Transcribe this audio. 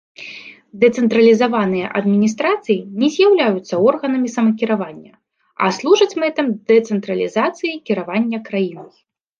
Дэцэнтралізаваныя адміністрацыі не з'яўляюцца органамі самакіравання, а служаць мэтам дэцэнтралізацыі кіравання краінай.